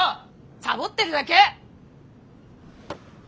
サボってるだけ！